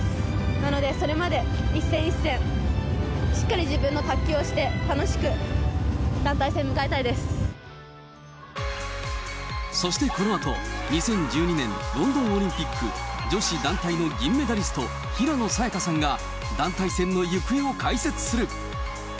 なのでそれまで一戦一戦、しっかり自分の卓球をして、楽しく、団そしてこのあと、２０１２年ロンドンオリンピック女子団体の銀メダリスト、平野早矢香さんが、団体戦の行方を解説する。